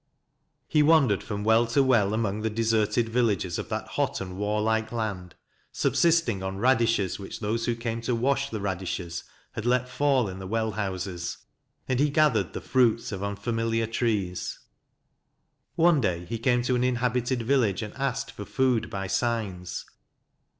He wandered from well to well among the deserted villages of that hot and warlike land, subsisting on radishes which those who came to wash the radishes had let fall in the well houses ; and he gathered the fruits of unfamiliar trees. One day he came to an in habited village, and asked for food by signs.